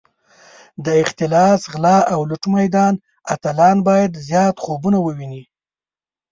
د اختلاس، غلا او لوټ میدان اتلان باید زیات خوبونه وویني.